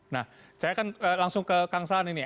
nah saya akan langsung ke kang saan ini